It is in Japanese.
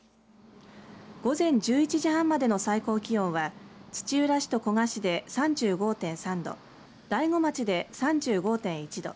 午前１１時半までの最高気温は土浦市と古河市で３５．３度大子町で３５．１度